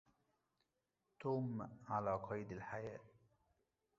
توم على قيد الحياة.